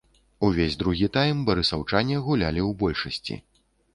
Увесь другі тайм барысаўчане гулялі ў большасці.